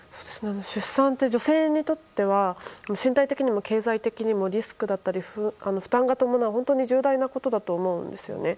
出産って女性にとっては身体的にも経済的にもリスクだったり負担が伴う本当に重大なことだと思うんですね。